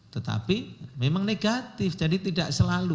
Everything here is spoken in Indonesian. tetapi memang negatif jadi tidak selalu